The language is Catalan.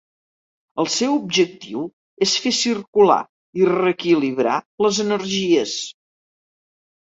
El seu objectiu és fer circular i reequilibrar les energies.